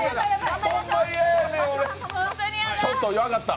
ちょっと分かった！